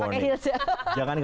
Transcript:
tangan disco ya pakai heels ya